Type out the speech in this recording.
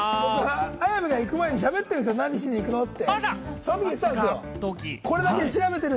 綾部が行く前に喋ってんですよ、何しに行くって。